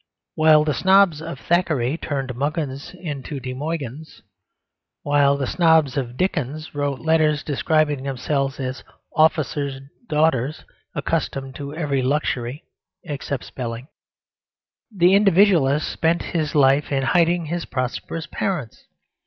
While the snobs of Thackeray turned Muggins into De Mogyns, while the snobs of Dickens wrote letters describing themselves as officers' daughters "accustomed to every luxury except spelling," the Individualist spent his life in hiding his prosperous parents.